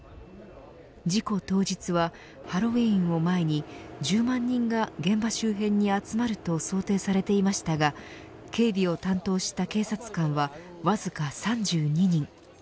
事故当日はハロウィーンを前に１０万人が現場周辺に集まると想定されていましたが警備を担当した警察官はわずか３２人。